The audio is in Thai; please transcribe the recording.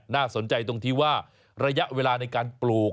น่าสนใจตรงที่ว่าระยะเวลาในการปลูก